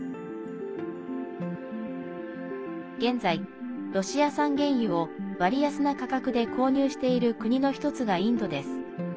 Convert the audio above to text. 現在、ロシア産原油を割安な価格で購入している国の１つがインドです。